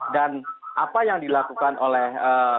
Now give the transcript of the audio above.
apa yang dilakukan oleh